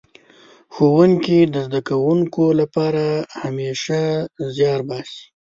ښوونکي د زده کوونکو لپاره همېشه زيار باسي.